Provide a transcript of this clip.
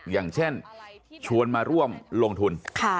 อย่างเช่นชวนมาร่วมลงทุน